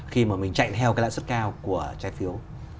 khi mà mình chạy theo cái lãi suất cao của trái phiếu